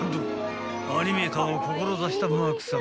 ［アニメーターを志したマークさん］